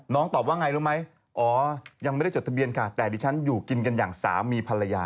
ตอบว่าไงรู้ไหมอ๋อยังไม่ได้จดทะเบียนค่ะแต่ดิฉันอยู่กินกันอย่างสามีภรรยา